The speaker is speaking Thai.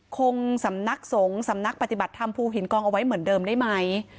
คงสำนักสงฆ์สำนักปฏิบัติธรรมภูหินกองเอาไว้เหมือนเดิมได้ไหม